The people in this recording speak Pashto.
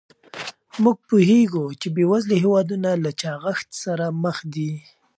موږ پوهیږو چې بې وزلي هېوادونه له چاغښت سره مخ دي.